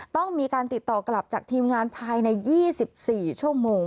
ต้องมีการติดต่อกลับจากทีมงานภายใน๒๔ชั่วโมง